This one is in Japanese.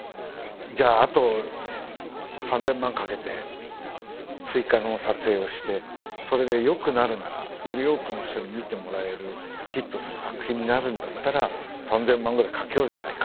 じゃああと３，０００万かけて追加の撮影をしてそれで良くなるならより多くの人に見てもらえるヒットする作品になるんだったら３，０００万ぐらいかけようじゃないかって。